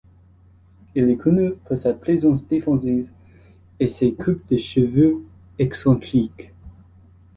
Il est connu pour sa présence défensive et ses coupes de cheveux excentriques.